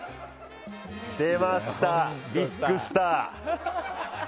出ました、ビッグスター。